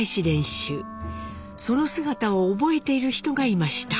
その姿を覚えている人がいました。